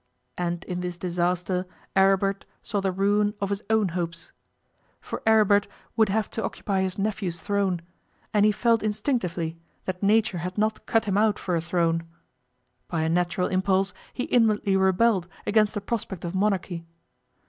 And in this disaster Aribert saw the ruin of his own hopes. For Aribert would have to occupy his nephew's throne, and he felt instinctively that nature had not cut him out for a throne. By a natural impulse he inwardly rebelled against the prospect of monarchy.